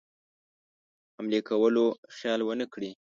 حملې کولو خیال ونه کړي.